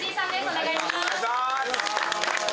お願いします。